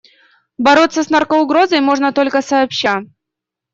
Бороться с наркоугрозой можно только сообща.